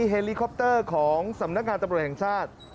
เฮลิคอปเตอร์ของสำนักงานตำรวจแห่งชาติ